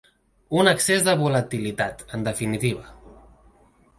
Un excés de volatilitat, en definitiva.